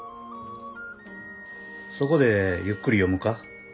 そこでゆっくり読むか？